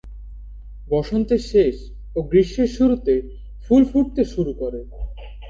বসন্তের শেষ ও গ্রীষ্মের শুরুতে ফুল ফুটতে শুরু করে।